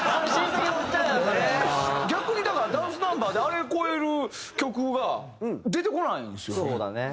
逆にだからダンスナンバーであれを超える曲が出てこないんですよ。